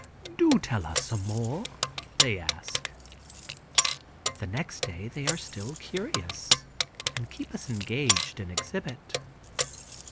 "Do tell us some more," they ask. The next day they are still curious, and keep us engaged in exhibit.